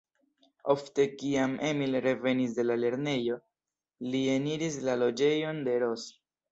Ofte, kiam Emil revenis de la lernejo, li eniris la loĝejon de Ros.